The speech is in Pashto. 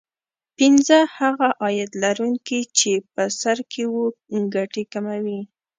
پینځه هغه عاید لرونکي چې په سر کې وو ګټې کموي